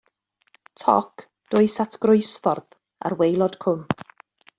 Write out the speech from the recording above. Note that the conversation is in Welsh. Toc dois at groesffordd ar waelod cwm.